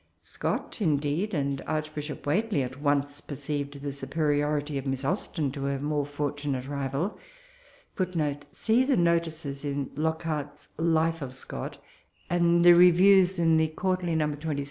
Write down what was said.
Scott, indeed, and Archbishop Whately, at once perceived the superiority of Miss Aus ten to her more fortunate rival ;* but * See the notices in IiOCKHAaT's Life of Scott; and the reviews in the Quar erly, Iffo.